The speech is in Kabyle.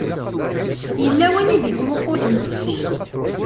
Yella win i d-ittmuqqulen deg-k.